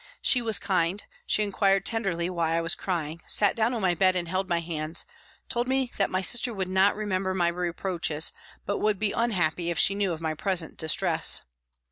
She was kind, she inquired tenderly why I was crying, sat down on my bed and held my hands, told me that my sister would not remember my reproaches but would be unhappy if she knew of my present dis tress.